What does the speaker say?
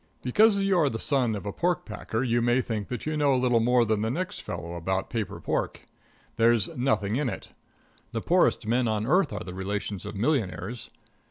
Because you are the son of a pork packer you may think that you know a little more than the next fellow about paper pork. There's nothing in it. The poorest men on earth are the relations of millionaires.